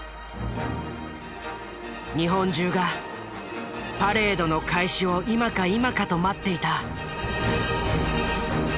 日本中がパレードの開始を今か今かと待っていた。